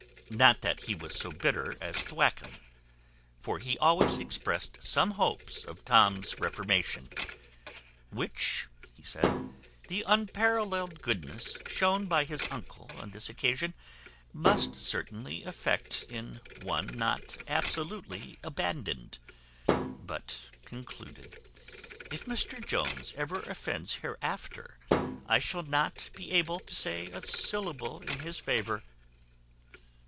Not that he was so bitter as Thwackum; for he always expressed some hopes of Tom's reformation; "which," he said, "the unparalleled goodness shown by his uncle on this occasion, must certainly effect in one not absolutely abandoned:" but concluded, "if Mr Jones ever offends hereafter, I shall not be able to say a syllable in his favour."